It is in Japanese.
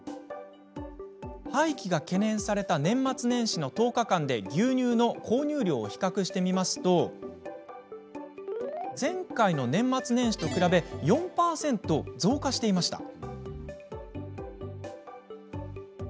廃棄が懸念された年末年始の１０日間で牛乳の購入量を比較してみると前回の年末年始と比べ４％増加していました。